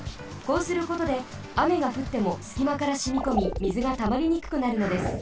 こうすることであめがふってもすきまからしみこみみずがたまりにくくなるのです。